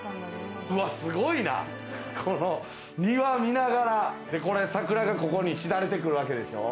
すごいな、庭見ながら、桜がここに枝垂れてくるわけでしょ。